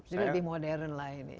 jadi lebih modern lah ini